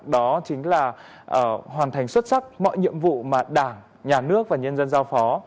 đó chính là hoàn thành xuất sắc mọi nhiệm vụ mà đảng nhà nước và nhân dân giao phó